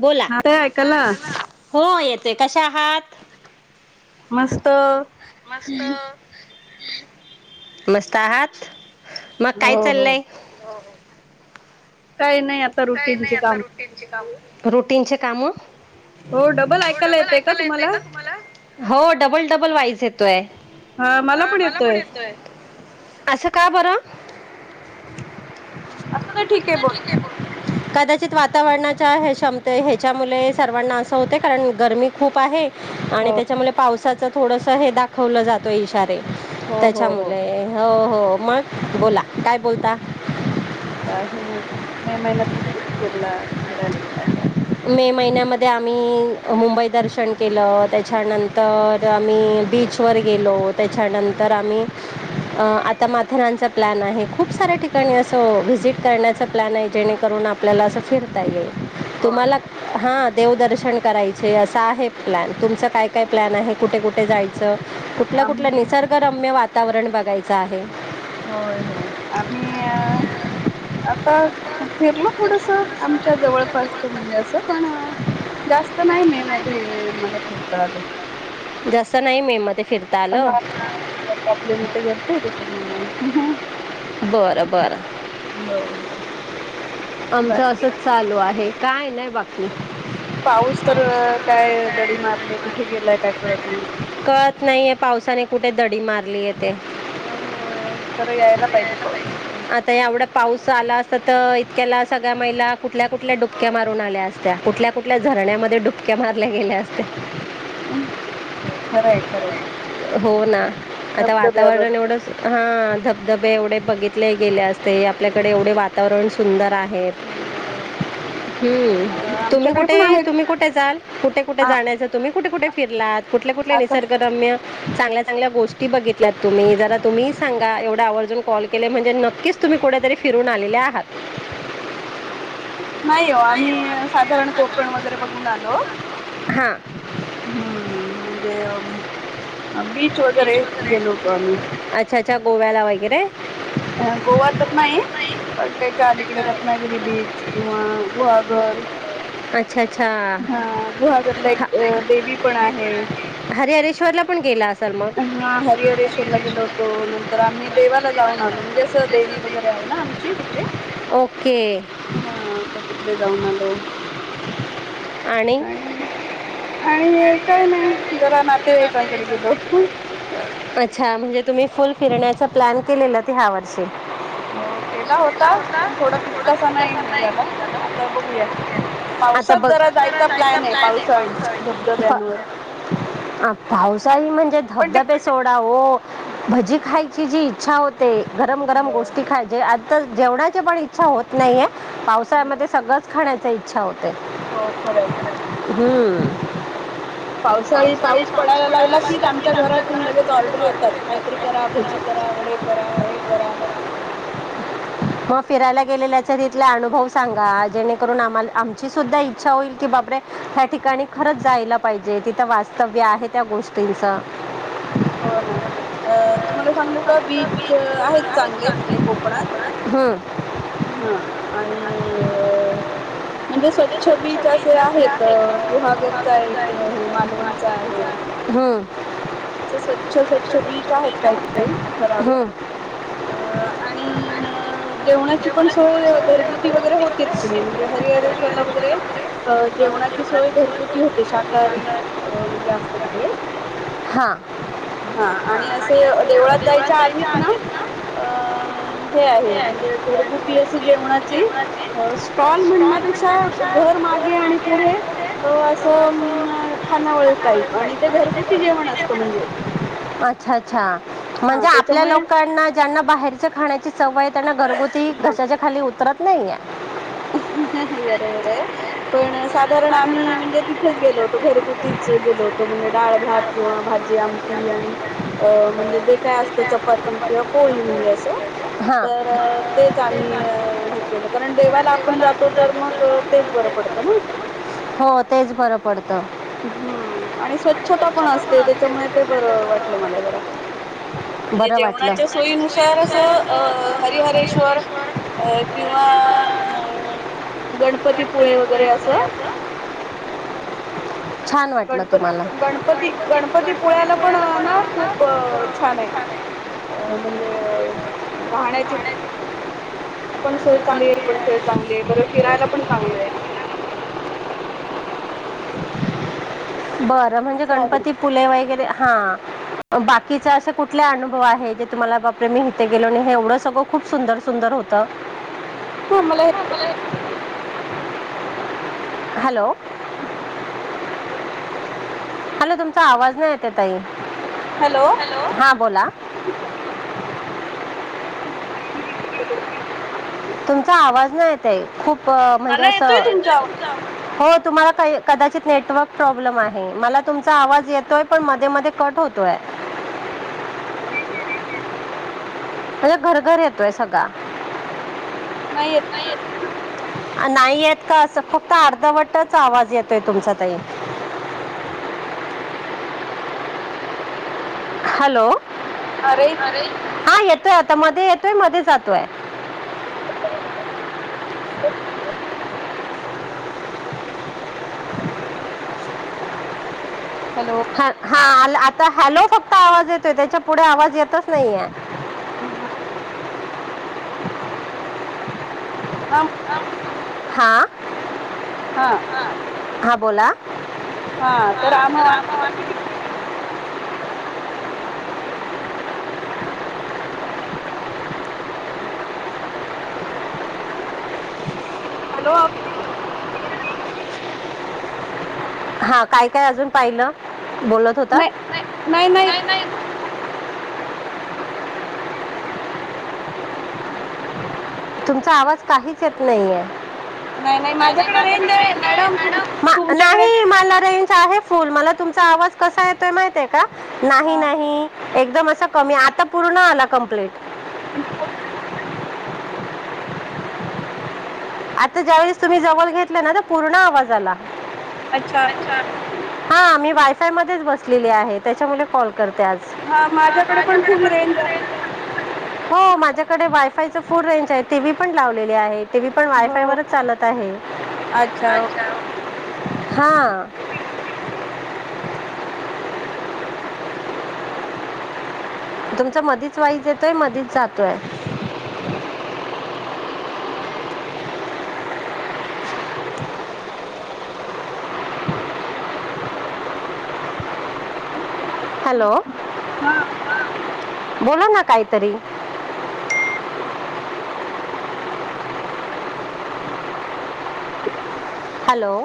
बोला येतय हो येतंय कशा आहात मस्त मस्त आहात मग काय चाललंय काही नाही काही नाही आता रुटीनचे काम रुटीनचे काम? डबल ऐकाला येत का तुम्हाला हो डबल डबल वाज येत, मला पण येत असं का बरं. आता तर ठीक आहे बोला. कदाचित वातावरणाच्या हे क्षमते ह्याच्यामुळे सर्वांना असं होते कारण गरमी खूप आहे. आणि त्याच्यामुळे पावसाच थोडस हे दाखवलं जातो इशारे त्याच्यामुळे, हो हो मग बोला काय बोलता. काही नाही ठी मे महिन्यात कुठे कुठे फिरला फिरायला गेला होता. मे महिन्यामध्ये आम्ही मुंबई दर्शन केलं त्याच्यानंतर, तर आम्ही बीचवर गेलो त्याच्यानंतर आम्ही आता मग इथरंचा प्लॅन आहे खूप साऱ्या ठिकाणी असं व्हिजिट करण्याचा प्लॅन आहे जेणेकरून आप, आपल्याला असं फिरता येईल तुम्हाला हां. देवदर्शन करायचे असं आहे प्लॅन तुमचं काय काय प्लॅन आहे कुठे कुठे जायचं. कुठला कुठलं निसर्गरम्य वातावरण बघायचं आहे. होय होय आमी अ, आता फिरल थोडस आमच्या जवळपासच म्हणजे असं पण, जास्त नाही मे मध्ये मला फिरता आलं. जास्त नाही मे मध्ये, प्रॉब्लेम होते घरचे त्याच्यामुळे नाही. बरं बरं आमचं असं, चालू आहे काय नाही बाकी. पाऊस तर काय दडी मारले कुठे गेलाय काय कळत नाही. कळत नाहीये पावसाने कुठे दडी मारली आहे ते. हो खरं यायला पाहिजे पाऊस आता. आता एवढा पाऊस आला असत तर इतक्याला सगळ्या महिला कुठल्या कुठल्या डुबक्या मारून आल्या असत्या. कुठल्या कुठल्या झरण्यामध्ये डुबक्या मारल्या गेल्या आस हो खरंय खरंय. हो ना आता वातावरण एवढं, हा धबधबे एवढे बघितले गेले असते आपल्याकडे एवढे वातावरण सुंदर आहे. सुंदर हे. हम्म तुम्ही कुठे तुम्ही कुठे जालं कुठे कुठे जाण्याचं तुम्ही कुठे कुठे फिरलातं कुठले कुठले निसर्गरम्य चांगल्या चांगल्या गोष्टी बघितल्यात तुम्हीच जरा तुम्ही सांगा एवढ आवर्जून कॉल केलयं म्हणजे न कीच तुम्ही कुठतरी फिरून आलेले आहात नाही ओ आम्ही सातार अन् कोकण वगैरे बघून आलो हां.. हम्म म्हणजे अं.. अ बीच वगैरे गेलो होतो आम्ही च्यागोव्याला वगैरे अं.. गोवा तर नाई पण त्याच्या अलीकडे रत्नागिरी बीच किंवा गुआगर कछ्या च्छा गुहागरला एक अं.. देवीपण आहे हरे हरेश्वरला पण गेला असाल म हां हरिहरेश्वरला गेलो होतो नंतर आम्ही देवाला जाऊन आलो म्हणजेच देवी वगैरे आहे ना आमची टुडे ओके. हा आता तिकडे जाऊन आलो, आणि आणि काय नाही जरा नातेवाईकांकडे गेलो. अच्छा म्हणजे तुम्ही फुल फिरण्याचा प्लॅन केलेला ते ह्या वर्षी. हो केला होता पण थोडा तितकासा नाही हे झाला आता बघूया. पावसात जरा जायचा प्लॅन आहे पावसाळ धबधब्यांवर. ह पावसाळी म्हणजे धबधबे सोडा हो भजी खायची जी इच्छा होते गरम गरम गोष्टी खायजे आतच् जेवणाचे पाण इच्छा होत नाहीये पावसामध्ये सगळंच खाण्याचे इच्छा होतय. हम्म्म पावसाळी पाऊस पडायाला लागला कीच आमच्या घरातून लगेच ऑर्डर येतात काहीतरी करा भजी करा वडे करा आहे करा. मग फिरायला गेलेल्याच्या तिथला अनुभव सांगा जेणेकरून आम्हाल आमची सुद्धा इच्छा होईल की बापरे ह्या ठिकाणी खरंच जायला पाहिजे तिथं वास्तव्य आहे. त्या गोष्टींचा हो ना. अ तुम्हाला सांगू का बीच आहेत चांगले तिकडे कोकणात हम्म हां आणि अ म्हणजे स्वच्छ बीच असे आहेत गुहागरचाय एक हे मालवणचा आहे हम्म असं स्वच्छ स्वच्छ बीच आहेत काहीत काही ठरावीक. अ आणि अ हं जेवणाची पण सोय घरगुती वगैरे होते तिकडे म्हणजे हरिहरेश्वरला वगैरे अ जेवणाची सोय घरगुती होते शाकारी अ. म्हणजे आसत तिकडे हां. हां आणि असे अ देवळातं जायच्या आधीच ना अ. हे आहे म्हणजे घरगुती असे जेवणाची अ स्टॉल म्हण्यापेक्षा घर मागे आणि पुढे असं मं अ खानावळीटाईप आणि ते घरगुती जेवण अ अच्छा अच्छा म्हणजे आपल्या लोका ज्यांना ज्यांना बाहेरचं खाण्याची सवय त्यांना घरगुती घशाच्या खाली उतरत नाइये. बरोबरय पण साधारण आम्ही म्हणजे तिथंच गेलो होतो घरगुतीच गेलो होतो म्हणजे डाळभात. किंवा भाजी आमटी आणि अ म्हणजे ते काय आसतं चपाती किंवा पोळी म्हणजे असं तर तेच आम्ही अ. हे केलं करण देवाला आपण जातो तर मग तेच बरं पडतं ना. हो तेच बरं पडतं. हम्म आणि स्वच्छता पण असते त्याच्यामुळे ते बरं वाटलं मला जरा. म्हणजे जेवणाच्या सोयीनुसार असं अ हरिहरेश्वर अ किंवा अ गणपतीपुळे वगैरे असं. गणपती गणपती गणपतीपुळ्याला पण ना खूप खूप छान आहे अ म्हणजे राहण्याची. पण सोय चांगली आहे पण सोय चांगली आहे बरं फिरायला पण चांगलंय. बरं म्हणजे गणपती फुले वगैरे हा बाकीचा असे कुठला अनुभव आहे जे तुम्हाला बापरे मी इथे गेलो आणि हे एवढं सगळ खूप सुंदर सुंदर होतं. ह मला [inaudible] हॅलो [inaudible] हॅलो तुमचा आवाज नाय येताय ताई हॅलो हॅलो.. हा बोला [inaudible] तुमचा आवाज नाय येताय खूप अ म्हणजे असं [inaudible] हो तुम्हाला काही कदाचित नेटवर्क प्रॉब्लेम आहे मला तुमचा आवाज येतोय पण मध्ये मध्ये कट होतोय अरे घर घर येतोय सगळा नाही नाही आहेत का असं फक्त अर्धावटच आवाज येतोय तुमचा तही हॅलो अरे हा येतोय आता मध्ये येतोय मध्ये जातोय हॅलो ह हा आता हॅलो फक्त आवाज येतोय त्याच्या पुढे आवाज येतच नाहीे ह हा हां हा हां हा बोला हा तर आम हॅलो हा काय काय अजून पाहिलं बोलत होता तुमचा आवाज काहीच येत नाहीे माझ्याडे नाही मला रहीचं आहे फुल मला तुमचा आवाज कसा येतो माहित आहे का नाही नाही एकदम असं कमी आता पूर्ण आला कम्प्लीट एक आता ज्यावेेळेस तुम्ही जवळ घेतला ना पूर्ण आवाज आला अच्छा हा म्ही वायफाय मध्येच बसलेली आहे त्याच्यामुळे कॉल करते आज हा माझ्याकडे पण खुल राहील हो माझ्याकडे वायफायच फुल रेंज आहे टी व्ही पण लावलेली आहे ट पण वायफाय वरच चालत आहे हा तुमचा मधीच वाईज येतोय मधीच जातोय हॅलो बोल ना काहीतरी हॅलो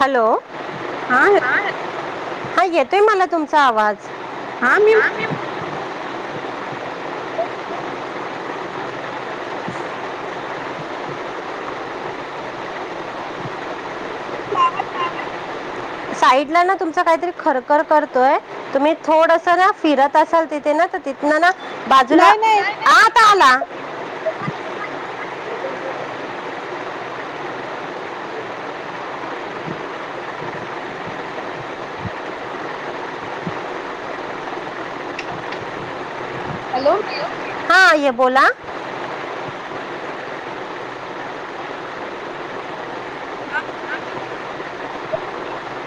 हॅलो हा हा येतोय मला तुमचा आवाज हा मी ह साईड ला ना तुमच काहीतरी खरखर करतोय तुम्ही थोडस ना फिरत असाल तिथे ना तिथन ना बाजूला आत आला हॅलो य बोला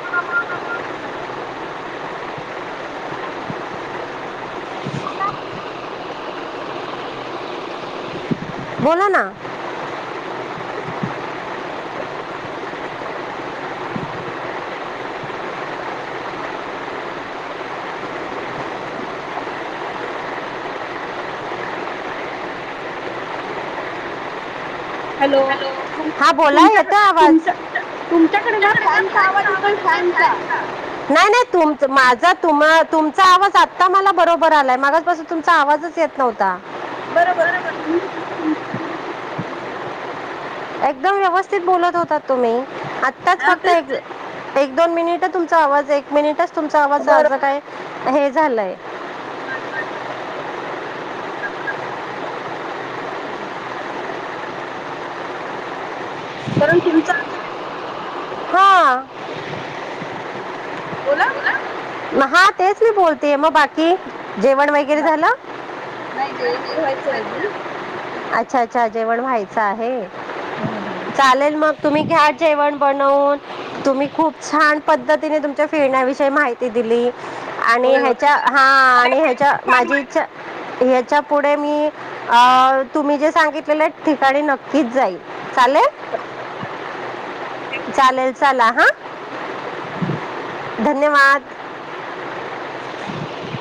हा बोला ना हॅलो हा बोला येत आवाज तुमच्याकडे म खयच का पाजे तर खयच ना नाही नाही तुमच माझा तुम्हा तुमचा आवाज आत्ता मला बरोबर आलाय मागपासून तुमचा आवाजच येत नव्हता बरोबर एकदम व्यवस्थित बोलत होताात तुम्ही आताच फक्त एक दोन मिनिट तुमचा आवाज एक मिनिटच तुमचा आवाज अस काय हे झालंय ह हम् कारण तुमचा हां बोला हा तेच मी बोलते मग बाकी जेवण वगैरे झालं अच्छा् जेवण व्हायचं आहे चालेल मग तुम्ही घ्या जेवण बनवून तुम्ही खूप छान पद्धतीने तुमच्या फिरण्याविषयी माहिती त दिली आणि ह्याच्या हा आणि ह्याच्या माझी इचछा ह्याच्या पुढे मी अ तुम्ही जे सांगितलेलं ठिकाणी नक्कीच जाईल चालेल [inaudible] चालेल चला हा धन्यवाद